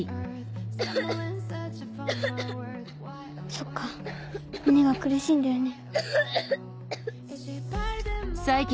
そっか胸が苦しいんだよね。